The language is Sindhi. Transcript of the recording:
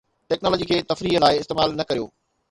ٽيڪنالاجي کي تفريح لاء استعمال نه ڪريو